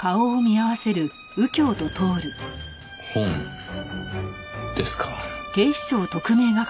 本ですか。